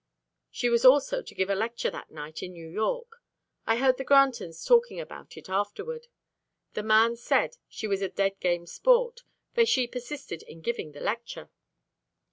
She was also to give a lecture that night in New York. I heard the Grantons talking about it afterward, and master said she was a dead game sport, for she persisted in giving the lecture.